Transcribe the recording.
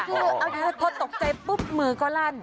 พอตกใจปุ๊บมือก็รั่น